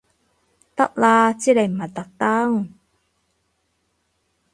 得啦知你唔係特登